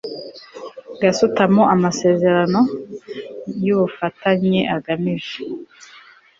gasutamo amasezerano y ubufatanye agamije